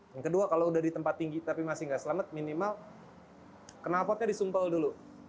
yang kedua kalau udah di tempat tinggi tapi masih nggak selamat minimal kenal potnya disumpel dulu